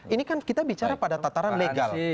ini kan kita bicara pada tataran legal